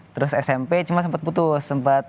terus smp cuma sempat putus